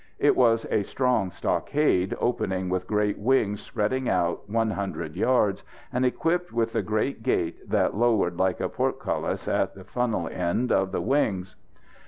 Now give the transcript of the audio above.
It was a strong stockade, opening with great wings spreading out one hundred yards, and equipped with the great gate that lowered like a portcullis at the funnel end of the wings.